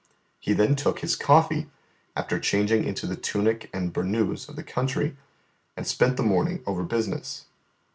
He then took His coffee, after changing into the tunic and burnous of the country, and spent the morning over business.